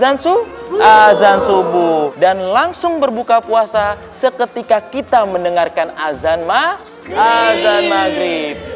azan subuh dan langsung berbuka puasa seketika kita mendengarkan azan ma azan maghrib